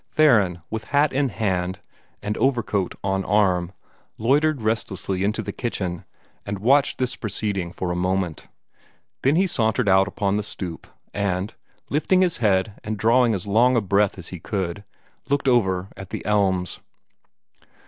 Theron, with hat in hand, and overcoat on arm, loitered restlessly into the kitchen, and watched this proceeding for a moment. Then he sauntered out upon the stoop, and, lifting his head and drawing as long a breath as he could, looked over at the elms.